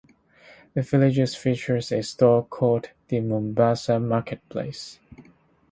The village features a store called the "Mombasa Marketplace".